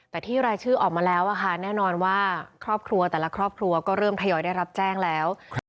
แต่ที่รายชื่อออกมาแล้วแน่นอนว่าครอบครัวแต่ละครอบครัวก็เริ่มทยอยได้รับแจ้งแล้ว